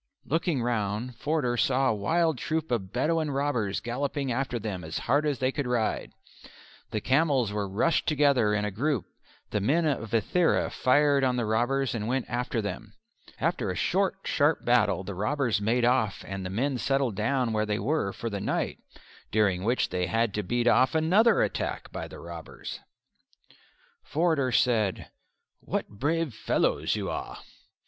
Looking round Forder saw a wild troop of Bedouin robbers galloping after them as hard as they could ride. The camels were rushed together in a group: the men of Ithera fired on the robbers and went after them. After a short, sharp battle the robbers made off and the men settled down where they were for the night, during which they had to beat off another attack by the robbers. Forder said, "What brave fellows you are!"